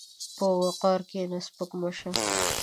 په وقار کښېنه، سپک مه شه.